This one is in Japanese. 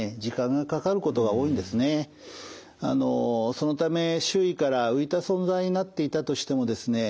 そのため周囲から浮いた存在になっていたとしてもですね